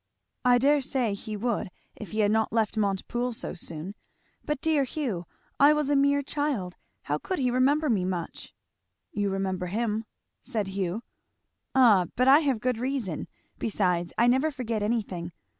"I dare say he would if he had not left Montepoole so soon. But dear Hugh! I was a mere child how could he remember me much." "You remember him," said Hugh. "Ah but I have good reason. Besides I never forget anything.